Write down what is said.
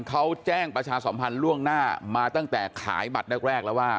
เขาแจ้งประชาสัมพันธ์ล่วงหน้ามาตั้งแต่ขายบัตรแรกแล้วว่า